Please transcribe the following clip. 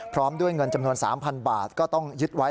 พร้อมด้วยเงินจำนวน๓๐๐บาทก็ต้องยึดไว้